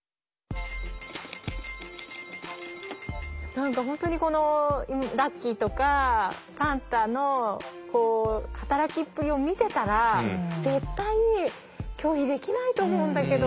何か本当にラッキーとかファンタの働きっぷりを見てたら絶対に拒否できないと思うんだけど。